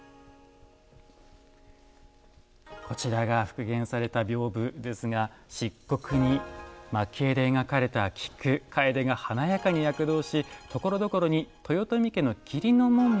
こちらが復元された屏風ですが漆黒に蒔絵で描かれた菊カエデが華やかに躍動しところどころに豊臣家の桐の紋も配置されています。